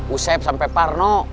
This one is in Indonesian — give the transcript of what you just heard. usep sampai parno